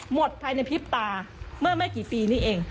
หมดภายในพริบตาเมื่อไม่กี่ปีนี้เอง